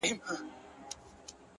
نه ;نه محبوبي زما;